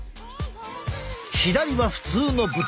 左は普通の豚。